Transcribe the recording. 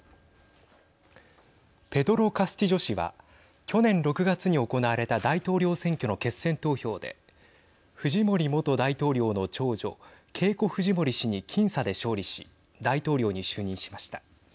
ペドロ・カスティジョ氏は去年６月に行われた大統領選挙の決選投票でフジモリ元大統領の長女ケイコ・フジモリ氏に僅差で勝利し大統領に就任しました。